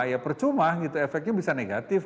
ya percuma gitu efeknya bisa negatif